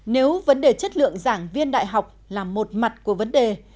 nếu vấn đề chất lượng giảng viên đại học là một mặt của vấn đề